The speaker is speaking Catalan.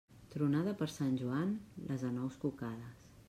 Tronada per Sant Joan, les anous cucades.